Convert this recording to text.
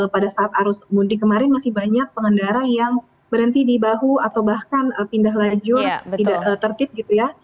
pada saat arus mudik kemarin masih banyak pengendara yang berhenti di bahu atau bahkan pindah lajur tidak tertib gitu ya